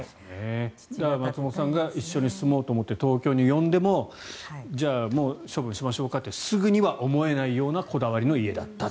松本さんが一緒に住もうと思って東京に呼んでもじゃあもう、処分しましょうかとすぐには思えないようなこだわりの家だったと。